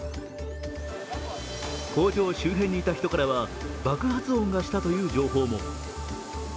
工場周辺にいた人からは爆発音がしたという情報も。